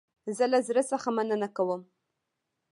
زه له زړه څخه مننه کوم